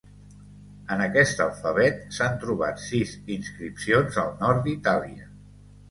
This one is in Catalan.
En aquest alfabet s'han trobat sis inscripcions al nord d'Itàlia.